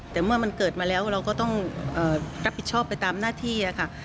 แต่เมื่อมันเกิดมาแล้วเราก็ต้องรับผิดชอบไปตามหน้าที่ค่ะ